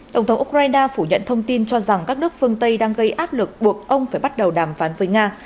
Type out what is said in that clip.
tổng thống ukraine phủ nhận thông tin cho rằng các nước phương tây đang gây áp lực buộc ông phải bắt đầu đàm phán với nga